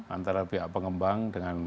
antara pihak pengembang dengan